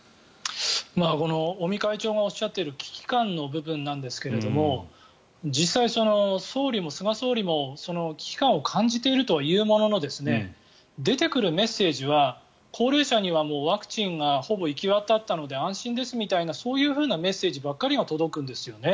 この尾身会長がおっしゃっている危機感の部分ですけど実際、菅総理も危機感を感じているとは言うものの出てくるメッセージは高齢者にはもうワクチンがほぼ行き渡ったので安心ですみたいなそういうメッセージばかりが届くんですよね。